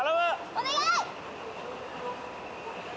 お願い！